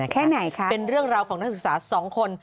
แค่ไหนคะเป็นเรื่องราวของนักศึกษา๒คน